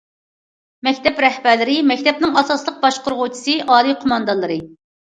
مەكتەپ رەھبەرلىرى مەكتەپنىڭ ئاساسلىق باشقۇرغۇچىسى، ئالىي قوماندانلىرى.